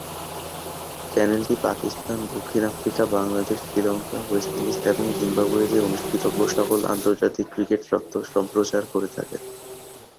চ্যানেলটি পাকিস্তান, দক্ষিণ Africa, Bangladesh, Sri Lanka, West Indies এবং জিম্বাবুয়েতে অনুষ্ঠিতব্য সকল আন্তর্জাতিক ক্রিকেট স্বত্ত্ব সম্প্রচার করে থাকে।